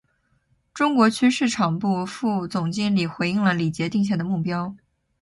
中国区市场部副总经理回应了李杰定下的目标